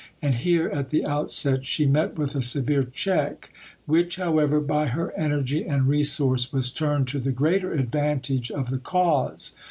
And here at the outset she met with a severe check which, however, by her energy and resource was turned to the greater advantage of the cause.